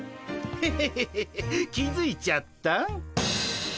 ヘヘヘヘヘッ気付いちゃった？